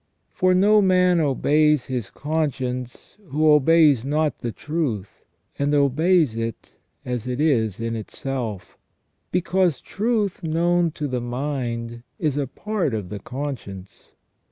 For no man obeys his conscience who obeys not the truth, and obeys it as it is in itself; because truth known to the mind is a part of the conscience.